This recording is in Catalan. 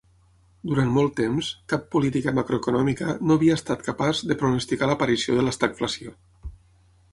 Durant molt temps, cap política macroeconòmica no havia estat capaç de pronosticar l'aparició de l'estagflació.